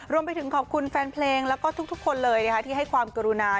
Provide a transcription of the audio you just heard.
รวมไปถึงขอบคุณแฟนเพลงแล้วก็ทุกคนเลยที่ให้ความกรุณา